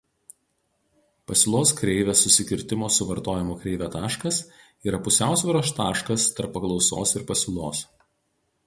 Pasiūlos kreivės susikirtimo su vartojimo kreive taškas yra pusiausvyros taškas tarp paklausos ir pasiūlos.